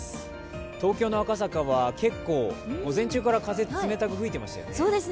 東京の赤坂は結構、午前中から風、冷たく吹いていましたよね。